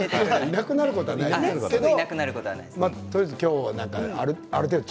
いなくなることはないでしょ。